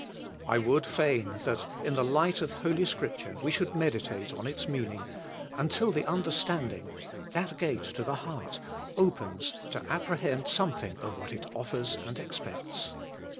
I would fain that in the light of Holy Scripture we should meditate on its meaning, until the understanding, that gate to the heart, opens to apprehend something of what it offers and expects.